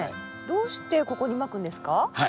どうしてここにまくんですか？